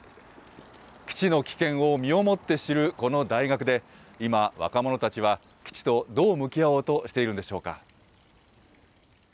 基地の危険を身をもって知るこの大学で、今、若者たちは基地とどう向き合おうとしているんでしょうか。